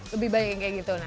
lebih banyak yang kayak gitu